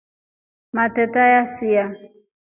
Matreta yasia.